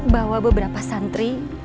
bawa beberapa santri